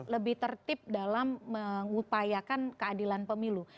lebih tertib dalam mengupayakan keadilan pemilu